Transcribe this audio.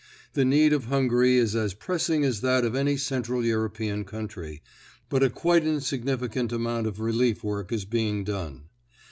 The need of Hungary is as pressing as that of any Central European country, but a quite insignificant amount of relief work is being done.